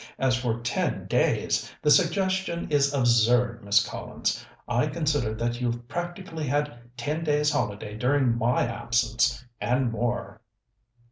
As for ten days, the suggestion is absurd, Miss Collins. I consider that you've practically had ten days' holiday during my absence and more."